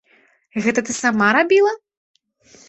Гэта ты сама рабіла?